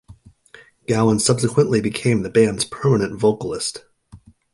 Gowan subsequently became the band's permanent vocalist.